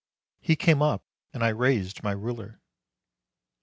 He came up; I raised my ruler.